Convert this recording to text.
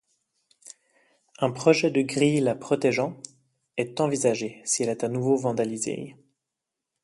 Un projet de grilles la protégeant est envisagé si elle est à nouveau vandalisée.